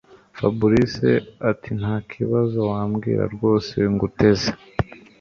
Fabric atintakibazo wabwira rwose nguteze